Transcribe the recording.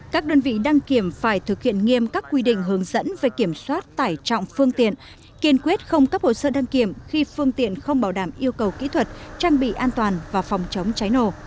các đơn vị đăng kiểm phải thực hiện nghiêm các quy định hướng dẫn về kiểm soát tải trọng phương tiện kiên quyết không cấp hồ sơ đăng kiểm khi phương tiện không bảo đảm yêu cầu kỹ thuật trang bị an toàn và phòng chống cháy nổ